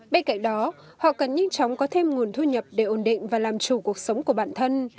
bên cạnh đó họ cần nhanh chóng có thêm nguồn thu nhập để ổn định và làm chủ cuộc sống của bản thân